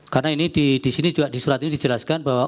karena ini di sini juga di surat ini dijelaskan bahwa